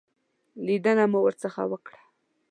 لیدنه مو ورڅخه وکړه.